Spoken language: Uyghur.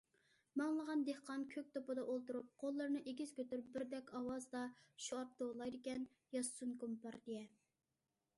مىڭلىغان دېھقان كۆك توپىدا ئولتۇرۇپ، قوللىرىنى ئېگىز كۆتۈرۈپ بىردەك ئاۋازدا شوئار توۋلايدىكەن.- ياشىسۇن كومپارتىيە!